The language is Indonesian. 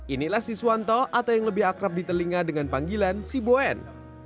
inilah si swanto atau yang lebih akrab di telinga dengan panggilan sibuen